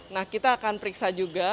nah kita akan periksa juga